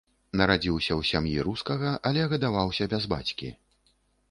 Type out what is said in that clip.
Нарадзіўся ў сям'і рускага, але гадаваўся бяз бацькі.